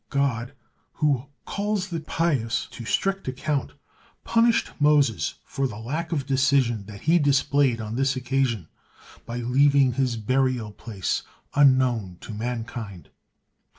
God, who calls the pious to strict account, punished Moses for the lack of decision that he displayed on this occasion, by leaving his burial place unknown to mankind.